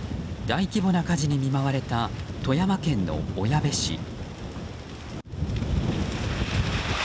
大規模な火事に見舞われた富山県の小矢部市。